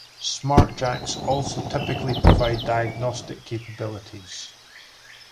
Smartjacks also typically provide diagnostic capabilities.